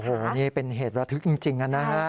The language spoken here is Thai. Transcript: โอ้โหนี่เป็นเหตุระทึกจริงนะฮะ